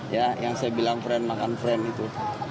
ya yang saya bilang friend makan friend itu